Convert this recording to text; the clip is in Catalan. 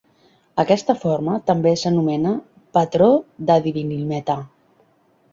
Aquesta forma també s'anomena "patró de divinilmetà".